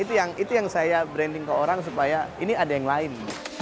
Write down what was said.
itu yang saya branding ke orang supaya ini ada yang lain